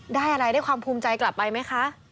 ได้อะไรได้ความภูมิใจกลับไปไหมคะ